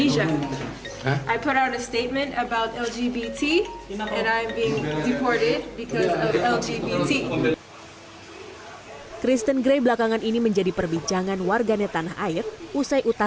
saya tidak mengaku saya tidak overstay visa saya